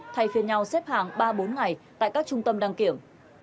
thay phiên nhau xếp hàng ba bốn ngày tại các trung tâm đăng kiểm